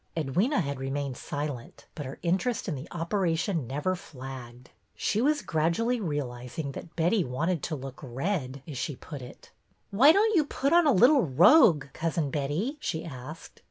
Edwyna had remained silent, but her interest in the operation never flagged. She was grad ually realizing that Betty wanted to look red," as she put it. Why don't you put on a little rogue. Cousin Betty?" she asked.